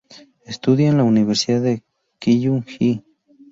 Estudia en la Universidad de Kyung Hee.